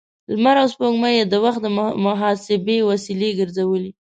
لمر او سپوږمۍ يې د وخت د محاسبې وسیلې ګرځولې.